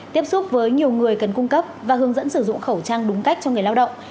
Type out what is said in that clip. tiếp xúc với nhiều người cần cung cấp và hướng dẫn sử dụng khẩu trang đúng cách cho người lao động